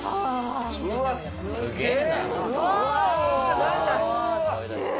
すげえ！